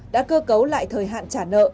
đã cơ cấu lại thời hạn trả nợ